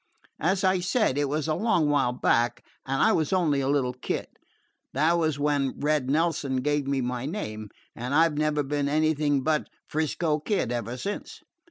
As I said, it was a long while back, and I was only a little kid that was when Red Nelson gave me my name, and I 've never been anything but 'Frisco Kid ever since.